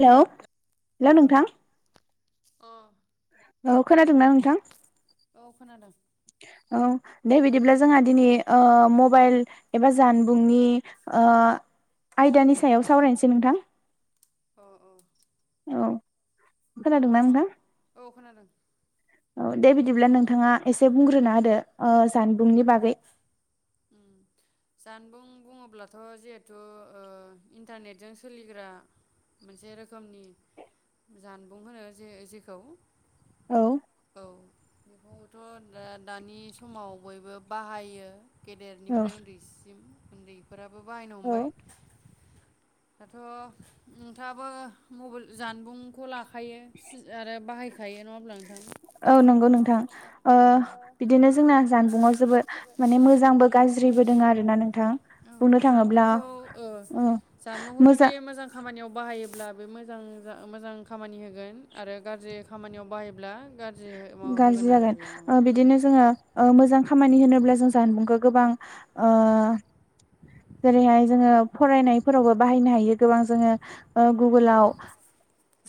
Hello hello नोंथां अ औ खोनादोंना नोंथां औ खोनादों औ दे बिदिब्ला जोंहा दिनि ओ मबाइल एबा जानबुंनि ओ आयदानि सायाव सावरायनोसै नोंथां [inaudible] औ खोनादोंना नोंथां [inaudible] औ दे बिदिब्ला नोंथाङा एसे बुंग्रोना होदो ओ जानबुंनि बागै ओम जानबुं बुङोब्लाथ' जिहेथु ओ इन्टारनेटजों सोलिग्रा मोनसे रोखोमनि जानबुं होनो जे जेखौ औ औ बेखौथ' दा-दानि समाव बयबो बाहायो औ गेदेरनिफ्राय उन्दैसिम उन्दैफोरा बो बाहायनो औ हमबाय दाथ' नोंथाङाबो मबाइल जानबुंखौ ला खायो आरो बाहायखायो नङा होमब्ला नोंथां? औ नंगौ नोंथां ओ बिदिनो जोंना जानबुंआव जोबोद माने मोजांबो गाज्रिबो दोङ आरोना नोंथां औ बुंनो थाङोब्ला जानबुंखौ ओ जानबुंखौ जुदि मोजां खामानियाव बाहायोब्ला बे मोजां जा मोजां खामानि होगोन आरो गाज्रि खामानियाव बाहायोब्ला गा गाज्रि जागोन ओ बिदिनो जोङो ओ मोजां खामानि होनोब्ला जों जानबुंखौ गोबां ओ जेरैहाय जोङो फरायनायफोरावबो बाहायनो हायो गोबां जोङो ओ औ गुगोलाव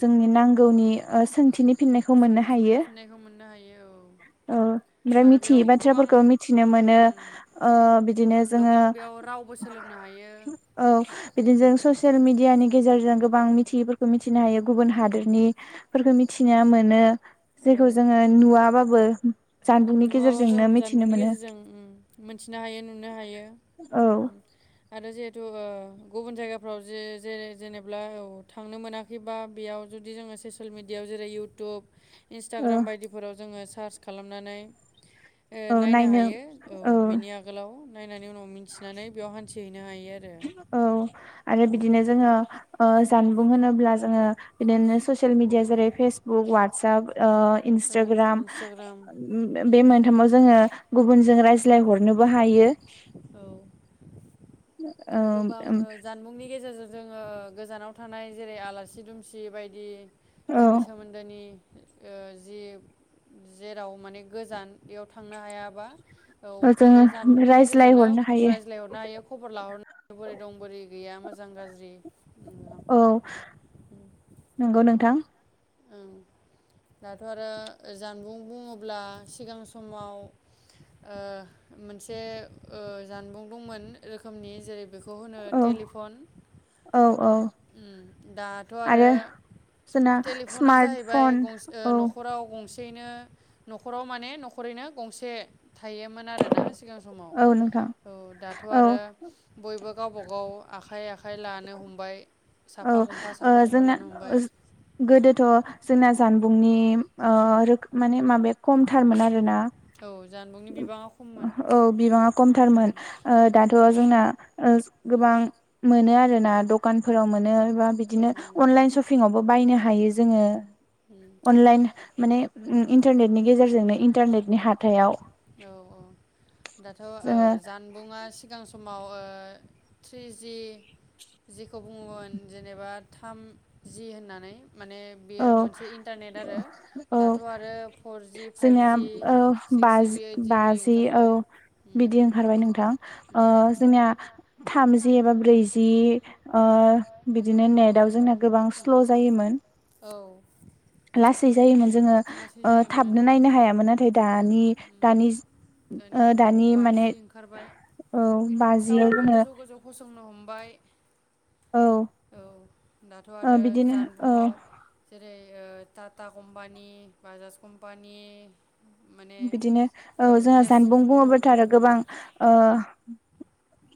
जोंनि नांगौनि ओ सोंथिनि फिननायखौ मोननो सोंथिनि हायो फिननायखौ मोननो हायो औ ओमफ्राय आरो बेयाव मिथियै गोबां बाथ्राफोरखौ मिथिनो मोनो उम ओ बिदिनो जोङो गोबां बेयाव रावबो सोलोंनो हायो औ बिदिजों ससेल मिदियानि गेजेरजों गोबां मिथियैफोरखौ मि थिनो हायो गुबुन उम हादोरनिफोरखौ मि थिनो मोनो औ जेखौ जोङो नुवाबा बो नुवाबाबो ओं जानबुंनि गेजेरजों ओम मोनथिनो हायो नुनो हायो औ ओम आरो जिहेथु ओ गुबुन जायगाफ्राव जे-जे-जेनेबा औ थांनो मोनाखैबा बेयाव जुदि जोङो ससियेल मिडियायाव जेरै- इउटुब औ इन्स्टाग्राम बायदिफोराव जोङो सार्च खालामनानै ओ नायनो हायो औ बिनि आगोलाव नायनानै उनाव मिन्थिनानै बेयाव हान्थि औ आरो बिदिनो जोङो ओ जानबुं होनोब्ला जोङो बिदिनो ससियेल मिडिया जेरै- फेसबुक वाट्सप ओ इन्सटाग्राम इन्सटाग्राम बे मोनथामाव जोङो गुबुनजों रायज्लाय हरनोबो हायो। औ ओ आरो गोबां ओ जानबुंनि गेजेरजों जोङो गोजानाव थानाय जेरै आलासि दुमसि बायदि औ जोंनि सोमोन्दोनि जि जेराव माने गोजानाव थांनो हायाबा औ जोङो बे जानबुंनि गेजेरजोंनो रायज्लायहरनो हायो रायज्लायहरनो हायो खबर लाहरनो। बोरै दं बोरै गैया मोजां गाज्रि। नोंथां औ नंगौ नोंथां। दाथ' आरो जानबुं बुङोब्ला सिगां समाव मोनसे ओ जानबुं दंमोन रोखोमनि जेरै बेखौ होनो औ टेलिफन औ औ ओम दाथ' आरो जोंना टेलिफना स्मार्ट जाहैबाय फन गंसे औ न'खराव गंसे। जयैनो न'खराव माने न'खरैनो गंसे। थायोमोन आरोना सिगां समाव औ नोंथां औ दाथ' औ आरो बयबो गावबाागाव आखाइ आखाइ आखाय लानो हमबाय। औ साफा गंफा ओ साफा गंफा जोंना लानो हमबाय ज गोदोथ' जोंना जानबु नि ओ रोख माने माबाया खमथारमोन आरोना। औ जानबुंनि बिबाङा खममोन। औ उम थ' जोंना गोबां मोनो आरोना दखानफोराव मोनो। बिदिनो दखान अनलाइन सफिंआवबो बायनो हायो जोङो। उम अनलाइन माने इन्टारनेटनि गेजेरजोंनो इन्टारनेटनि हाथाइाव औ औ दाथ' औ जोङो जानबुंआ सिगां समाव ओ थ्रि जि जिखौ बुङोमोन जेनेबा थामजि होननानै माने बियो औ मोनसे इन्टारनेट आरो औ दाथ' आरो फरजि फाइभजि सिक बाज बाजि औ उम बिदि ओंखारबाय नोंथां ओ उम जोंनिया थामजि एबा ब्रैजि ओ बिदिनो नेटआव जोंना गोबां स्ल' जायोमोन। औ लासै। जायोमोन जोङो लासै ओ जायोमोन थाबनो औ नायनो हायामोन नाथाय दानि उम दानि ओ जुगाव दानि माने बाजि ओंखारबाय औ बाजियाव जोङो बाइ। औ औ दाथ' ओ आरो बिदिनो औ जानबुंआव जे ए ओ ताता कम्पा नि बाजाज कम्पानि। माने बिदिनो औ जोंहा इन्डास्ट्रि जानबुं खुलिनो बुङोब्लाथ' हमबाय आरो औ गोबां ओ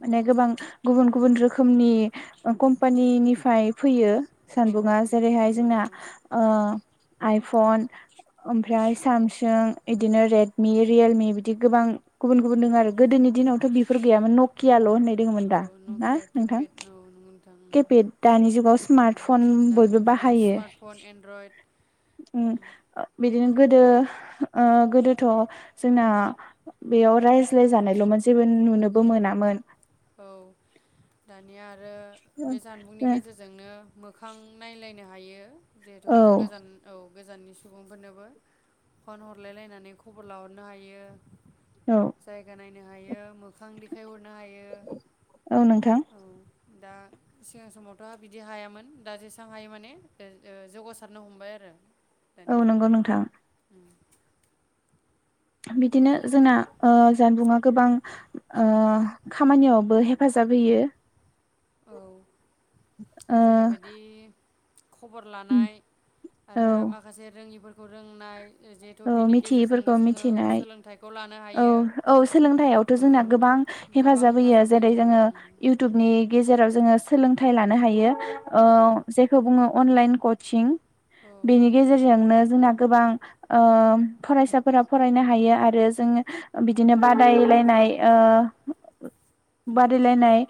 माने गोबां गुबुन गुबुन रोखोमनि कम्पानिनिफ्राय फैयो। औ सानदुङा जेरैहाय नंगौ जोंना नोंथां ओ उम आइ फन ओमफ्राय सामसुं इदिनो रेडमि रियेलमि बिदि गोबां गुबुन गुबुन दोङो आरो गोदोनि दिनावथ' बेफोर गैयामोन। कियाल' होननाय दोङोमोन औ दा ना नकिया नोंथां? किपेड औ नंगौ नोंथां उम केपेद दानि जुगाव उम स्मार्टफन दानि बयबो जुगाव बाहायो। स्मार्टफन एन्ड्रइड ओ उम बिदिनो गोदो ओ गोदोथ' जोंना बेयाव रायज्लाय जानायल'मोन जेबो नुनोबो मोनामोन। औ दान निया आरो बे जानबुंनि गेजेरजोंनो मोग मोखां नायलायनो हायो। जिहेथु औ गोजान औ गोजाननि सुबुंफोरनोबो फन हरलाय लायनानै खबर लाहरनो हायो। औ जायगानाय नो हायो मोखां देखायहरनो हायो। औ नोंथां। औ दा सिगां समावथ' बिदि हायामोन दा जेसेबां हायो माने ओ जौगासारनो हमबाय आरो औ दानिनि नंगौ जुगाव नोंथां बिदिनो जोंना ओ जानबुङा गोबां ओ खामानियावबो हेफाजाब होयो। औ ओ जेरैबादि खबर लानाय आरो माखासे रोङिफोरखौ फुरोंनाय औ मिथियैफोरखौ मिथिनाय सोलोंथाइखौ लानो औ हायो औ सोलोंथायाइयावथ' औ जोंना गोबां हेफाजाब होयो जेरै जोङो इउटुबनि गेजेराव जों जोङो सोलोंथाइ लानो हायो। ओ औ जेखो बुंङो अनलाइन कचिं औ बेनि गेजेरजोंनो जोनाग गोबां ओ फरायसाफोरा फरायनो हायो आरो जोङो बिदिनो बादायलायनाय ओ बादायलायनाय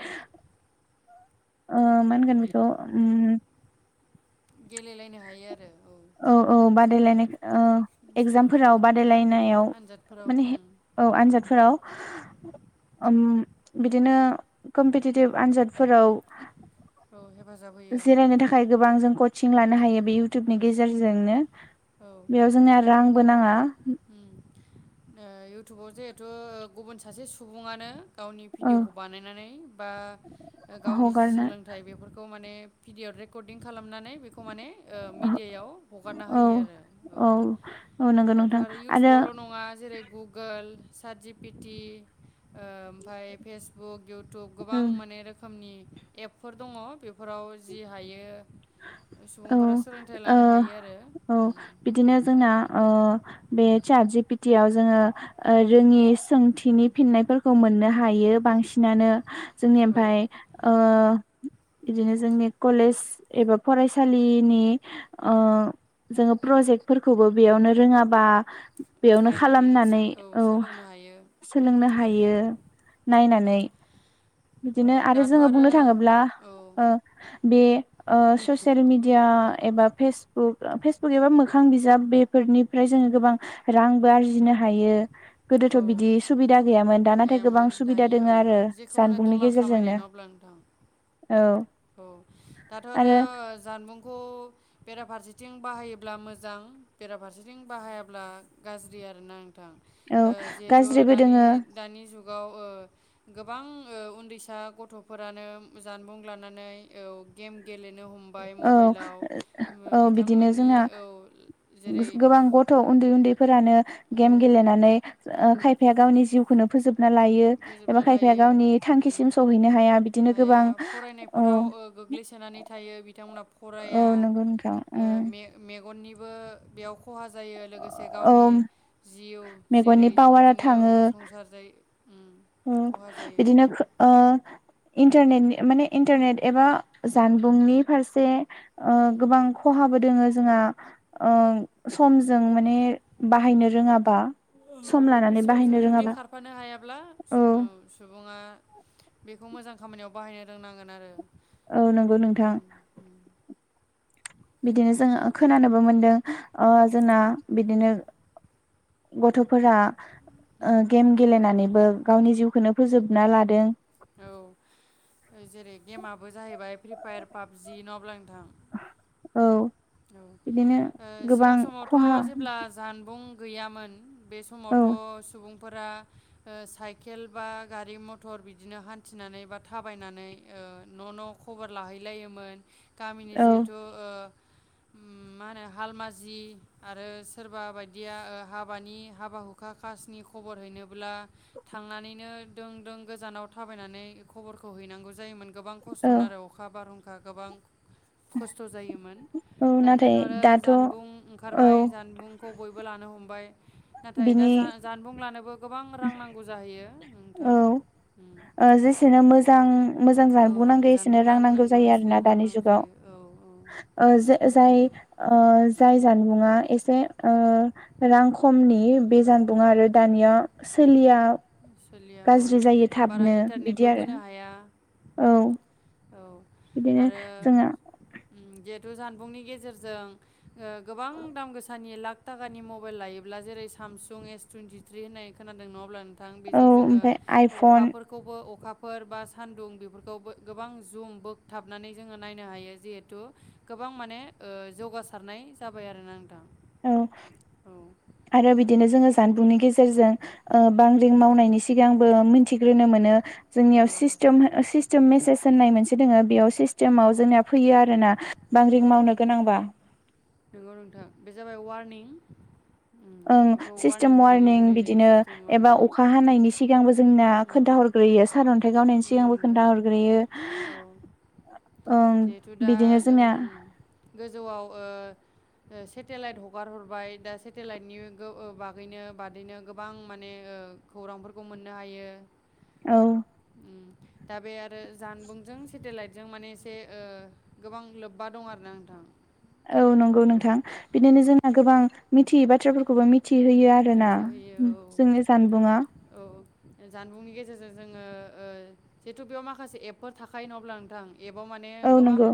ओ मा होनगोन बेखौ उम गेलेलायनो हायो आरो औ। औ औ बादायलाय ओ एगजामफोराव बादायलायनायाव आनजादफोराव माने उम हे औ आन्जादफोराव उम बिदिनो कम्पिटिटिभ आनजादफोराव औ हेफ जिरायनो थाखाय गोबां जों कचिं लानो उम हायो बे इउटुबनि उम गेजेरजोंनो औ बेयाव जोंनिया रांबो नाङा। उम ओ इयउटुबाव जिहेथु गुबुन सासे सुबुङानो गावनि औ भिडिअ'खौ बानायनानै बा गावनि जि हगारना सोलों बेफोरखौ माने भिडिअ रेकर्डिं खालामना [unintelligible] बेखौ माने ओ मिडियायाव हगारना औ होयो आरो औ औ नंगौ दाथ' नोंथां आरो इउटुबावल' नङा जेरै गुगोल साजिबपिटि ओ ओमफाय फेसबुक इउटुब गोबां माने रोखोमनि एब फोर दङ बेफोराव जि हायो ओ सुबुंफोरा सोलोंथाइ ओ लानो हायो आरो औ उम बिदिनो जोंना ओ बे चारजि बिटियाव जोङो रोङि सोंथिनि फिननायफोरखौ मोननो हायो बांसिनानो जोंनि औ ओमफाय ओ बिदिनो जोंनि कलेज एबा फरायसालिनि ओ जोङो प्रजेक्टफोरखौबो बेयावनो रोङाबा बेयावनो नायनानै सो खालामनानै औ सोलोंनो हायो सोलोंनो हायो नायनानै औ बिदिनो आरो दाथ' जोङो बुंनो थाङोब्ला औ ओ बे ओ ससियेल मिेडिया एबा फेसबुक फेसबुक एबा मोखां बिजाब बेफोरनिफ्राय जोङो गोबां रांबो आरजिनो हायो। गोदोथ' औ बिदि सुबिदा गैयामोन दा नाथाय गोबां गैयामोन सुबिदा दानिया दोङो औ आरो जेखौ होनो जानबुंनि डलार खामायनाय गेजेरजोंनो नङा होमब्ला नोंथां औ। औ। दाथ' आरो जानबुंखौ बेराफारसे फारसेथिं बाहायोब्ला मोजां बेराफारसेथिं बाहायाब्ला गाज्रि आरो ना? औ ओ गाज्रिबो जिहेथुानि दोङो दानि जुगाव ओ गोबां उन्दैसा गथ'फोरानो जानबुं लानानै औ गेम गेले औ औ बिदिनो बिथांमोननि जोंना औ जेरै गोबां गथ' उन्दै उन्दैफोरानो गेम औ गेलेनानै खायफाया गावनि जिउखौनो फोजोब ना लायो एबा फोजोबना खायफाया लायो गावनि उम थांखिसिम सहैनो हाया बिदिनो हाया गोबां औ। फरायनायफोराव ओ गोग्लैसोनानै [unintelligible] औ फराया ओ नंगौ नोंथां उम में मे मेगननि बेयाव खहा जायो लोगोसे औ गावनि जिउ मेगननि जेरै पावारा बिदिनो थाङो संसार जायो। उम उम खहा जायो बिदिनो ओ इन्टारनेट माने इन्टारनेट एबा जानबुंनि फारसे। ओ उम गोबां खहाबो दोङो जोंहा ओ समजों माने बाहायनो रोङाबा औ सम लानानै समजों बाहायनो जुदि रोङाबा खारफानो हाया ब्ला औ सुबुङा बेखौ मोजां खामानियाव बाहायनो रोंनांगोन आरो औ नंगौ नोंथां उम उम बिदिनो जोङो खोनानोबो मोनदों ओ जोंना बिदिनो गथ'फोरा ओ उम गेम गेलेनानै बो गावनि जिउखौनो फोजोबना लादों। औ जेरै गेमाबो जाहैबाय फ्रि फायार पाबजि नङाब्ला नोंथां औ औ बिदिनो ओ गोबां सिगां खहा समावथ' जेब्ला जानबुं गैयामोन बे औ समावथ' सुबुं फोरा ओ साइकेल बा गारि मथर बिदिनो हान्थिनानै बा थाबायनानै ओ न' न' खबर लाहैलायोमोन। गामिनि औ जिहेथु ओ मा होनो हालमाजि आरो सोरबा बायदिया ओ हाबानि हाबा हुखा खासनि खबर हैनोब्ला थांनानैनो दों दों गोजानाव थाबायनानै खबरखौ हैनांगौ जायोमोन। गोबां औ खस्थ'मोन आरो अखा बारहुं खा गोबां खस्थ' जायोमोन औ दानियाथ' नाथाय आरो दाथ' जानबुं औ ओंखारबाय जानबुंखौ बयबो लानो हमबाय नाथाय दा बिनि जा-जानबुं लानोबो गोबां रां नांगौ जाहैयो। औ नोंथां उम ओ जेसेनो मोजां मोजां औ जानबुं नांगौ एसेनो जानबुं रां लानो नांगौ जायो इसेनो आरोना रां दानि नांगौ जुगाव। जायो औ औ ओ जे जाय ओ जाय जानबुंङा एसे ओ रां खमनि बे जानबुंङा आरो दानिया सोलिया सोलिया औ गाज्रि जायो बारा थाबनो बिदि इन्टारनेटबो आरो बोनो हाया औ औ बिदिनो आरो जोङो उ गेट जानबुंनि गेजेरजों ओ गोबां दाम गोसानि लाख थाखानि मबाइल लायोब्ला जेरै सामसुं एस टुइन्टिथ्रि होननाय खोनादों नङाहोनब्ला नों थां औ बेजों जोङो ओमफ्राय आइफन अखाफोरखौबो अखा फोर बा सान्दुं बेफोरखौ गोबां जुं बोगथाबनानै जोङो नायनो हायो जिहेथु गोबां माने ओ जौगासारनाय जाबाय आरो ना नोंथां। औ औ आरो बिदिनो जोङो जानबुंनि गेजेरजों ओ बांग्रिं मावनायनि सिगांबो मिथिग्रोनो मोनो औ जोंनियाव सिस्टेम सिस्टेम मेसेज होननाय मोनसे दङ बेयाव सिस्टेमाव उम, जोंनिया फैयो आरोना बांग्रिं मावनो गोनांबा नोंगौ नोंथां बे जाबाय वारनिं ओं सिस्टेम वारनिं जायो बिदिनो सिस्टेम एबा वार्निं अखा हानायनि सिगांबो जोंनो उम, खोनथा हरग्रोयो सार अ न्थाइ गावनायनि नंगौ सिगांबो नोंथां खोन्थाहरग्रोयो औ ओम जिहेथु दा बिदिनो जों जोंनिया उम गोजौआव ओ सेटेलाइट हगार हरबाय दा सेटेलाइटनि बागैनो बादैनो गोबां माने खौरांफोरखौ मोननो हायो औ उम दा बे आरो जानबुंजों सेटेलाइटजों माने एसे ओ गोबां लोब्बा दं आरोना नोंथां औ नंगौ औ नोंथां बिदिनो जोंना गोबां मिथियै बाथ्राफोरखौबो मिथि थिहोयो आरो ना मिथिहोयो औ जोंनि जानबुङा जों जोङोह जिहेथु बेयाव माखासे एपफोर थाखायो नङा अब्ला नोंथां एपाव माने औ गोबां नंगौ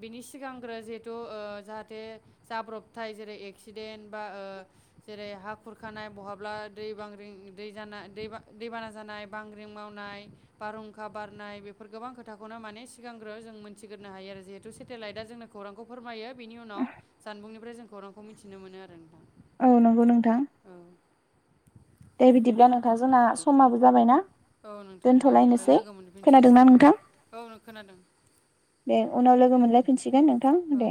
बिनि सिगांग्रो जिहेथु ओ जाहाथे जाब्रबथाय जेरै एक्सिडेन्ट बा ओ जेरै हा खुरखानाय बहाब्ला दै बांग्रिं दै जाना दैबाना जानाय बांग्रिं मावनाय बारहुंखा बारनाय बेफोर गोबां खोथाखौनो माने सिगांग्रो जों मोनथिग्रोनो हायो आरो जिहेथु सेटेलाइटआ जोंनो खौरांखौ फोरमायो बेनि उनाव जानबुंनि [unintelligible] खौरांखौ मिथिनो मोनो आरो नोंथां औ नंगौ नोंथां औ दे बिदिब्ला नोंथां जोंना समाबो जाबाय ना औ नोंथां दे बिदिब्ला लोगो खोनादोंना मोनफिननोसैसिगोन औ नोंथां औ नो खोनादों मोनलाय फिनसिगोन नो थां औ दे